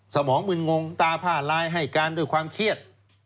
สมองมึนงงตาผ้าลายให้การด้วยความเครียด